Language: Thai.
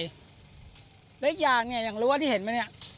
และอีกอย่างเนี่ยอย่างรู้ว่าที่เห็นไหมเนี่ย